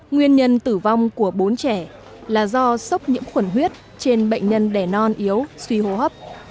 nguyên nhân tử vong của bốn trẻ là do sốc nhiễm khuẩn huyết trên bệnh nhân đẻ non yếu suy hô hấp